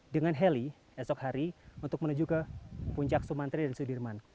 dengan heli esok hari untuk menuju ke puncak sumantri dan sudirman